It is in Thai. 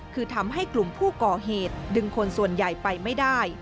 คือทำให้กลุ่มผู้ก่อเหตุดึงคนส่วนใหญ่ไปไม่ได้